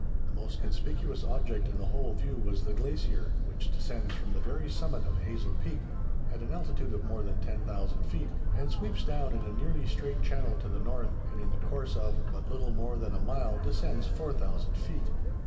The most conspicuous object in the whole view was the glacier, which descends from the very summit of Hazel Peak, at an altitude of more than 10,000 feet, and sweeps down in a nearly straight channel to the north, and in the course of but little more than a mile descends 4000 feet.